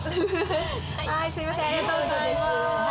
はいすみませんありがとうございます。